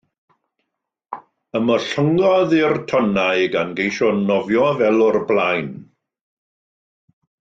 Ymollyngodd i'r tonnau gan geisio nofio fel o'r blaen.